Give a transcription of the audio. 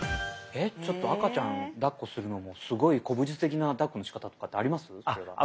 えっちょっと赤ちゃんだっこするのもすごい古武術的なだっこのしかたとかってあります？